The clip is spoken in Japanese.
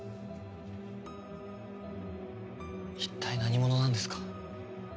一体何者なんですか？